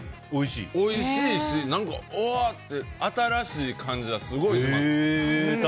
おいしいし新しい感じがすごいします。